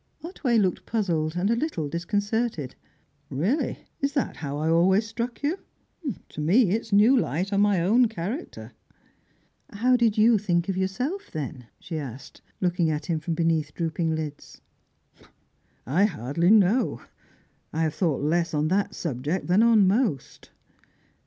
Otway looked puzzled, a little disconcerted. "Really, is that how I always struck you? To me it's new light on my own character." "How did you think of yourself, then?" she asked, looking at him from beneath drooping lids. "I hardly know; I have thought less on that subject than on most."